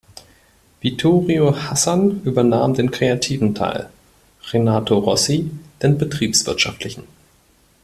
Vittorio Hassan übernahm den kreativen Teil, Renato Rossi den betriebswirtschaftlichen.